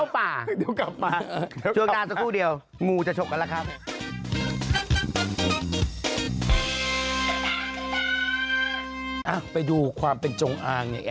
ปล่อยงูพิษเข้าป่า